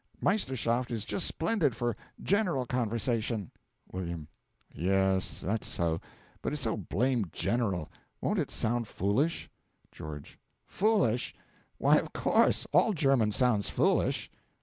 Meisterschaft is just splendid for general conversation. W. Yes, that's so; but it's so blamed general! Won't it sound foolish? GEO. Foolish! Why, of course; all German sounds foolish.